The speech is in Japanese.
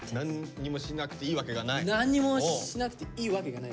何もしなくていいわけがない？